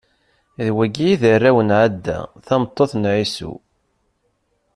D wigi i d arraw n Ɛada, tameṭṭut n Ɛisu.